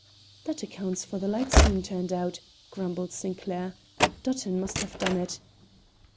"That accounts for the lights being turned out," grumbled Sinclair. "Dutton must have done it."